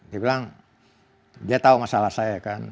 dia bilang dia tahu masalah saya kan